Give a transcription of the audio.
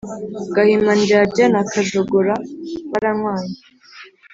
Gahimandyadya na Kajogora baranywanye.